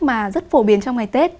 mà rất phổ biến trong ngày tết